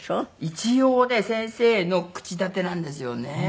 一応ね先生の口立てなんですよね。